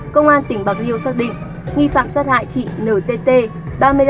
công an tỉnh bạc liêu xác định nghi phạm sát hại chị ntt ba mươi năm